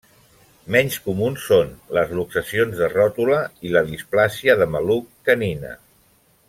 Menys comuns són les luxacions de ròtula i la displàsia de maluc canina.